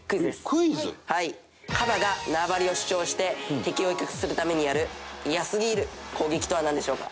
カバが縄張りを主張して敵を威嚇するためにやるイヤすぎる攻撃とはなんでしょうか？